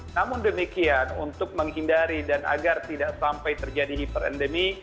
namun demikian untuk menghindari dan agar tidak sampai terjadi hiperendemi